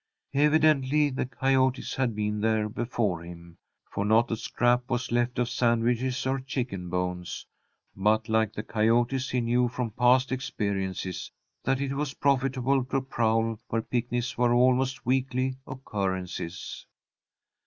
Evidently the coyotes had been there before him, for not a scrap was left of sandwiches or chicken bones; but, like the coyotes, he knew from past experiences that it was profitable to prowl where picnics were almost weekly occurrences.